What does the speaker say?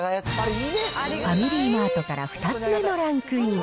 ファミリーマートから２つ目のランクイン。